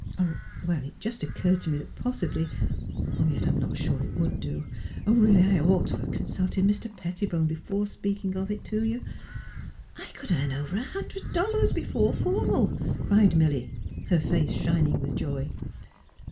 '' It just occurred to me that possibly — ^Yet I'm not sure that it would do. Really, I ought to have consulted Mr. Pettibone before speaking of it to you." I could earn over a hundred dollars before fall," cried Milly, her face shining with joy.